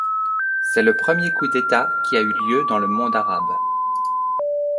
C'est le premier coup d'État qui a eu lieu dans le monde arabe.